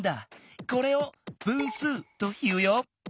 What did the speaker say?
これを「分数」というよ。